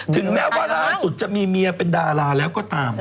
ถึงแม้ว่าล่าสุดจะมีเมียเป็นดาราแล้วก็ตาม